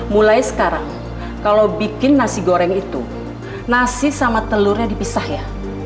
mulai sekarang kalau bikin nasi goreng itu nasi sama telurnya dipisah ya